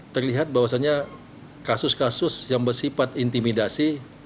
terlihat bahwasannya kasus kasus yang bersifat intimidasi